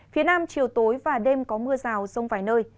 phía nam chiều tối và đêm có mưa rào rông vài nơi